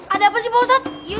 ada apa sih pak ustadz